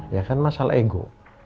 ya kan masalah ego